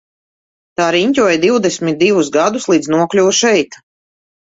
Tā riņķoja divdesmit divus gadus līdz nokļuva šeit.